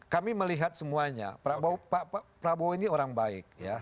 kami melihat semuanya pak prabowo ini orang baik